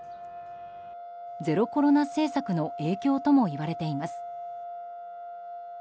ゼロコロナ政策の影響ともいわれています。